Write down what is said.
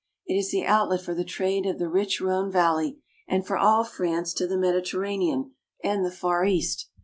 It is the outlet for the trade of the rich Rhone valley, and for all France to the Mediterranean, and the Far East.